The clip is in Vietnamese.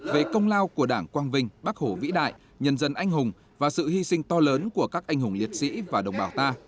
về công lao của đảng quang vinh bác hồ vĩ đại nhân dân anh hùng và sự hy sinh to lớn của các anh hùng liệt sĩ và đồng bào ta